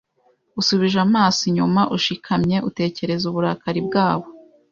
Usubije amaso inyuma ushikamye utekereza uburakari bwabo